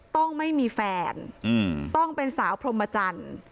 ต้องไม่มีแฟนต้องเป็นสาวพรมจันทร์